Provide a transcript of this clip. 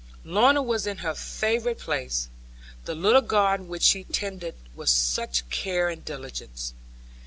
Lorna was in her favourite place, the little garden which she tended with such care and diligence.